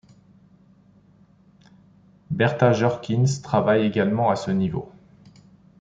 Bertha Jorkins travaille également à ce niveau.